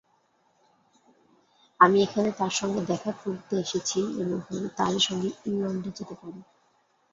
আমি এখানে তাঁর সঙ্গে দেখা করতে এসেছি এবং হয়তো তাঁরই সঙ্গে ইংলণ্ডে যেতে পারি।